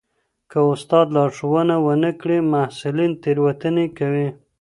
که استاد لارښوونه ونه کړي محصلین تېروتنې کوي.